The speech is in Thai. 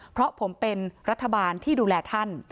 เพราะผมเป็นรัฐบาลที่ดูแลท่าน